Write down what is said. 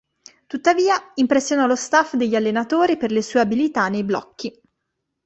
Tuttavia, impressionò lo staff degli allenatori per le sue abilità nei blocchi.